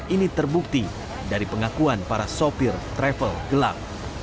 ini terbukti dari pengakuan para sopir travel gelap